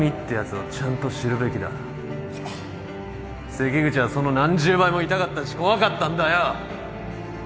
関口はその何十倍も痛かったし怖かったんだよ！